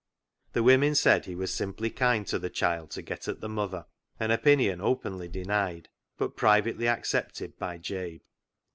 The women said he was simply kind to the child to get at the mother — an opinion openly denied, but privately accepted by Jabe.